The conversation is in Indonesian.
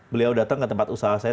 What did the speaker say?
beliau datang ke tempat usaha saya